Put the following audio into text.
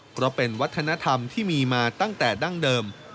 เพราะเป็นวัฒนธรรมที่มีมาตั้งแต่ดั้งเดิม